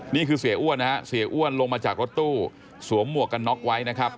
นี่คือเสียอ้วนนะฮะเสียอ้วนลงมาจากรถตู้สวมหมวกกันน็อกไว้นะครับ